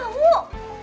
gua gak mau